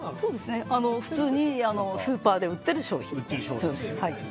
普通にスーパーで売っている商品です。